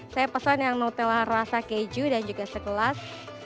saya pesan yang nutella rasa keju dan juga segelas